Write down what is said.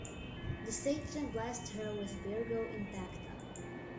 The sage then blessed her with "virgo intacta".